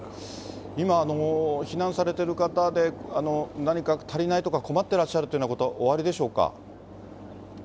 今、避難されている方で、何か足りないとか、困ってらっしゃること、おありでしょうか？